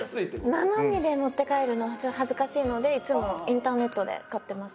生身で持って帰るのちょっと恥ずかしいのでいつもインターネットで買ってます。